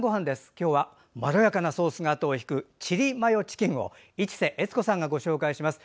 今日はまろやかなソースがあとを引くチリマヨチキンを市瀬悦子さんがご紹介します。